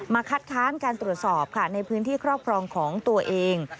คัดค้านการตรวจสอบค่ะในพื้นที่ครอบครองของตัวเอง